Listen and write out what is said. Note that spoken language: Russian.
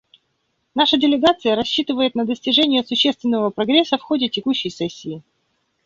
Наша делегация рассчитывает на достижение существенного прогресса в ходе текущей сессии.